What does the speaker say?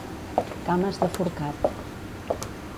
Cames de forcat.